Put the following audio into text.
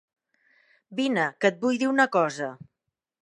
Vine, que et vull dir una cosa.